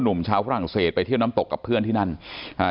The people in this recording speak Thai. หนุ่มชาวฝรั่งเศสไปเที่ยวน้ำตกกับเพื่อนที่นั่นอ่า